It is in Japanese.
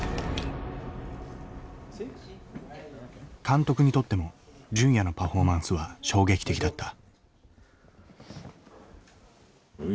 監督にとっても純也のパフォーマンスは衝撃的だった。